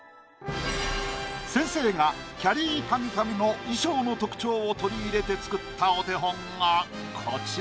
先生がきゃりーぱみゅぱみゅの衣装の特徴を取り入れて作ったお手本がこちら。